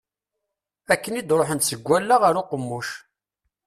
Akken i d-ruḥent seg wallaɣ ɣer uqemmuc.